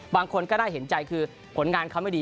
บางคนก็น่าเห็นใจคือผลงานเขาไม่ดี